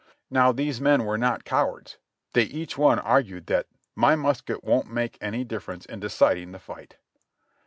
Now these men were not cowards, they each one argued that "my musket won't make any difference in deciding the fight."